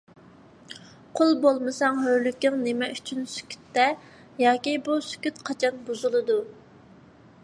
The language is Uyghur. قۇل بولمىساڭ، ھۆرلۈكىڭ نېمە ئۈچۈن سۈكۈتتە؟! ياكى بۇ سۈكۈت قاچان بۇزۇلىدۇ؟